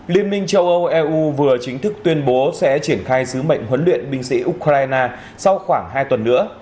liên minh châu âu eu vừa chính thức tuyên bố sẽ triển khai sứ mệnh huấn luyện binh sĩ ukraine sau khoảng hai tuần nữa